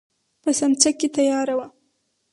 په سمڅه کې تياره وه.